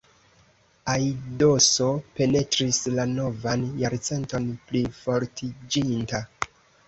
Aidoso penetris la novan jarcenton plifortiĝinta.